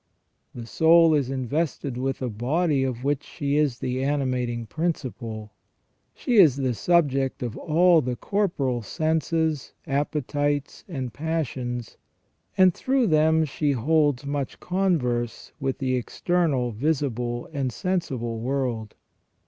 The soul is invested with a body of which she is the animating principle. She is the subject of all the corporal senses, appetites, and passions, and through them she holds much converse with the external, visible, and sensible world.